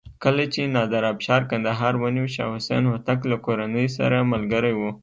کله چې نادر افشار کندهار ونیو شاه حسین هوتک له کورنۍ سره ملګری و.